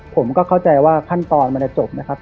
ผมก็เข้าใจว่าขั้นตอนจะจบ